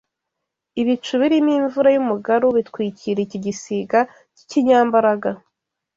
Ibicu birimo imvura y’umugaru bitwikira icyo gisiga cy’ikinyambaraga